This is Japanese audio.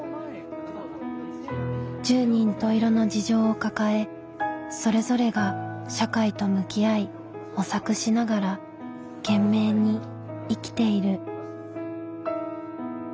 十人十色の事情を抱えそれぞれが社会と向き合い模索しながら懸命に生きている。